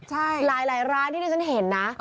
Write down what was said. หลายร้านที่ด้วยฉันเห็นนะ